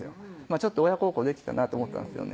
ちょっと親孝行できたなと思ったんですよね